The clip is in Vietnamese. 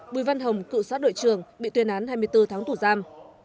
bùi văn hồng cựu xã đội trưởng bị tuyên án hai mươi bốn tháng tù giam